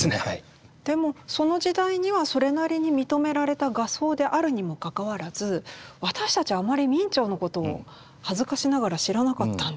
でもその時代にはそれなりに認められた画僧であるにもかかわらず私たちはあまり明兆のことを恥ずかしながら知らなかったんですが。